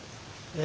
え？